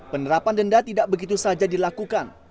penerapan denda tidak begitu saja dilakukan